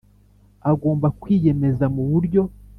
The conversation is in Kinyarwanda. Agomba kwiyemeza mu buryo